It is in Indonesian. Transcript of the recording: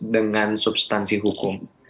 dengan substansi hukum